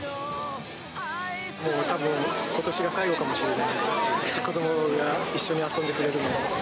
もうたぶん、ことしが最後かもしれないんで、子どもが一緒に遊んでくれるのが。